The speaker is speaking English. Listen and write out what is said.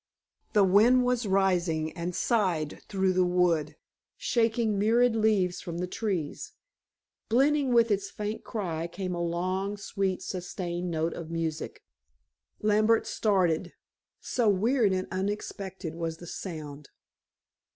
The wind was rising and sighed through the wood, shaking myriad leaves from the trees. Blending with its faint cry came a long, sweet, sustained note of music. Lambert started, so weird and unexpected was the sound.